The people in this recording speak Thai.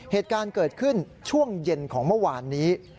เหตุการณ์เกิดขึ้นช่วงเย็นของเมื่อวานนี้